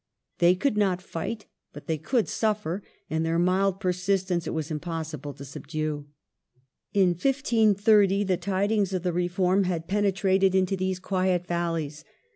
They could not fight, but they could suffer; and their mild persistence it was impossible to subdue. In 1530 the tidings of the Reform had pene trated into these quiet valleys.